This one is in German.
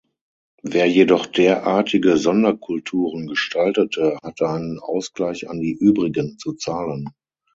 Wer jedoch derartige Sonderkulturen gestaltete, hatte einen Ausgleich an die übrigen zu zahlen.